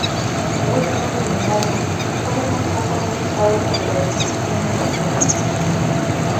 Esto, sin embargo, tuvo muy poco resultado sobre la destrucción de la provincia.